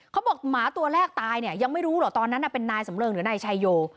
หมาตัวแรกตายเนี่ยยังไม่รู้หรอตอนนั้นเป็นนายสำเริงหรือนายชายโย